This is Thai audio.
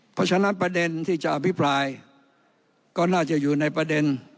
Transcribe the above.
เพราะฉะนั้นประเด็นที่จะอภิปรายก็น่าจะอยู่ในประเด็น